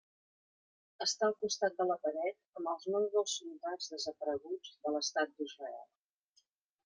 Està al costat de la paret amb els noms dels soldats desapareguts de l'Estat d'Israel.